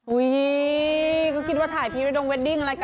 อุ้ยก็คิดว่าถ่ายพรีเวดดงเวดดิ้งอะไรกัน